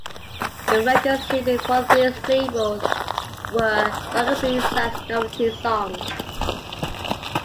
The records he made for these labels were rockabilly sides, and novelty songs.